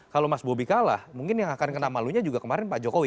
kalau mas bobi kalah mungkin yang akan kena malunya juga kemarin pak jokowi